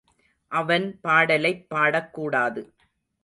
அவன் பாடலைப் பாடக்கூடாது.